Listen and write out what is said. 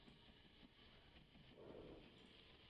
Clyde Howard Jr.